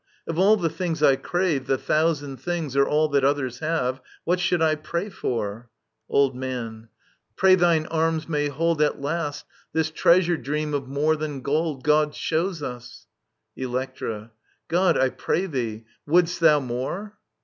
Of all things I crave, The thousand things, or all that others have. What should I pray for ? Digitized by VjOOQIC ELECTRA 35 Old Man. Pray thine arms may hold At last this treasure dream of more than gold God shows us I Electra. God, I pray thee !..• Wouldst thou more